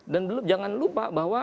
dan jangan lupa bahwa